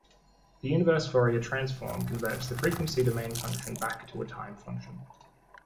The inverse Fourier transform converts the frequency domain function back to a time function.